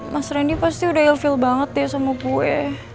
mas randy pasti udah ill feel banget deh sama gue